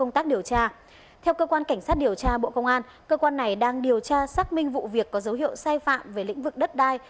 theo cơ quan cảnh sát điều tra bộ công an cơ quan này đang điều tra xác minh vụ việc có dấu hiệu sai phạm về lĩnh vực đất đai